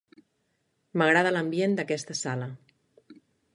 M'agrada l'ambient d'aquesta sala.